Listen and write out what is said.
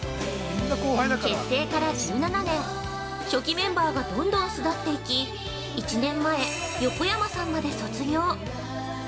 ◆結成から１７年初代メンバーがどんどん巣立っていき、１年前、横山さんまで卒業。